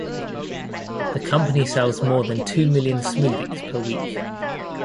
The company sells more than two million smoothies per week.